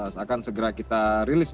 seakan segera kita rilis